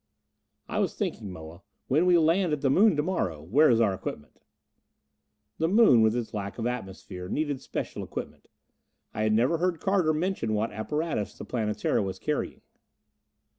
"I was thinking, Moa, when we land at the Moon to morrow where is our equipment?" The Moon, with its lack of atmosphere, needed special equipment. I had never heard Carter mention what apparatus the Planetara was carrying.